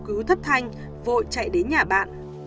kêu cứu thấp thanh vội chạy đến nhà bạn